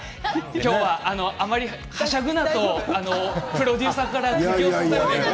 今日はあまりはしゃぐなとプロデューサーから言われています。